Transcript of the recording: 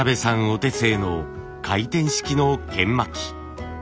お手製の回転式の研磨機。